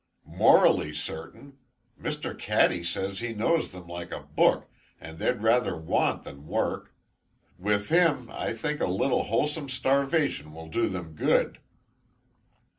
"Morally certain. Mr. Caddy says he knows them like a book, and they'd rather want than work. With him, I think a little wholesome starvation will do them good."